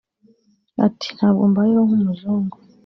Ati “Ntabwo mbayeho nk’umuzungu